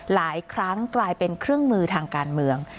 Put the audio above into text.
หลายครั้งกลายเป็นเครื่องมือทางการเมือง